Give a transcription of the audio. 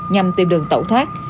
nhằm tìm đường tẩu thoát